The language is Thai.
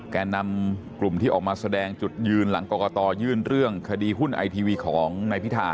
แก่นำกลุ่มที่ออกมาแสดงจุดยืนหลังกรกตยื่นเรื่องคดีหุ้นไอทีวีของนายพิธา